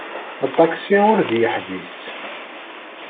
Aṭaksi ur d-yeḥbis.